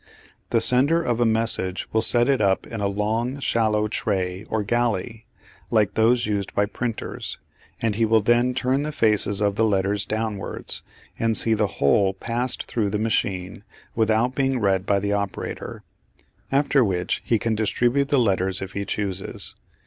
The sender of a message will set it up in a long shallow tray or "galley" like those used by printers, and he will then turn the faces of the letters downwards and see the whole passed through the machine without being read by the operator; after which he can distribute the letters if he chooses.